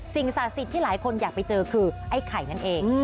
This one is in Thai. สิ่งสาธิตที่หลายคนอยากไปเจอคือไอ้ไข่นั่นเอง